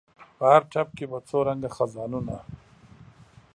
په هر ټپ کې په څو رنګه خزانونه